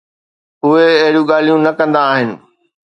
اهي اهڙيون ڳالهيون نه ڪندا آهن